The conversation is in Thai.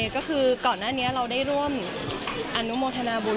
ก็คือก่อนหน้านี้เราได้ร่วมอนุโมทนาบุญ